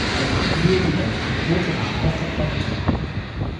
Danach erhielt die Band Angebote namhafter Plattenfirmen.